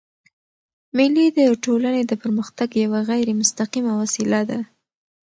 مېلې د ټولني د پرمختګ یوه غیري مستقیمه وسیله ده.